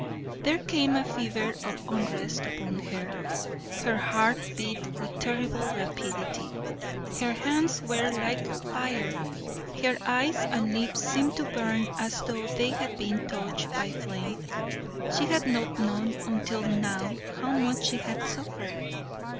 There came a fever of unrest upon her, her heart beat with terrible rapidity, her hands were like fire, her eyes and lips seemed to burn as though they had been touched by flame; she had not known until now how much she had suffered.